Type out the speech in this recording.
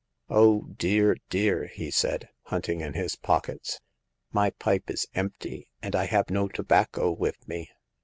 " Oh, dear, dear !" he said, hunting in his pockets. " My pipe is empty, and I have no tobacco with me."